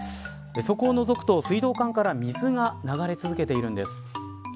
そこをのぞくと水道管から水が流れ続けているんです。